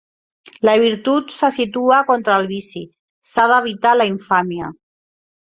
La "virtut" se situa contra el "vici", s'ha d'evitar la "infàmia".